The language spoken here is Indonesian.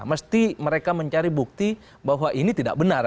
mesti mereka mencari bukti bahwa ini tidak benar